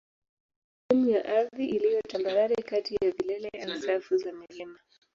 ni sehemu ya ardhi iliyo tambarare kati ya vilele au safu za milima.